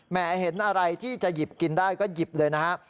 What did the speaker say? เห็นอะไรที่จะหยิบกินได้ก็หยิบเลยนะฮะ